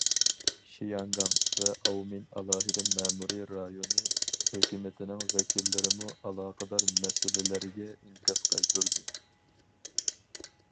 شياڭگاڭ ۋە ئاۋمېن ئالاھىدە مەمۇرىي رايونى ھۆكۈمىتىنىڭ ۋەكىللىرىمۇ ئالاقىدار مەسىلىلەرگە ئىنكاس قايتۇردى.